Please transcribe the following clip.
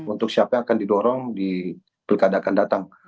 untuk siapa yang akan didorong di pilkada akan datang